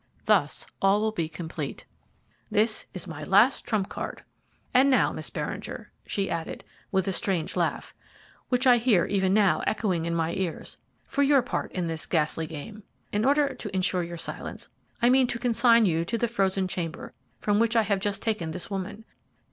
Thus all will be complete: this is my last trump card. "'And now, Miss Beringer,' she added, with a strange laugh, which I hear even now echoing in my ears, 'for your part in this ghastly game. In order to insure your silence I mean to consign you to the frozen chamber from which I have just taken this woman.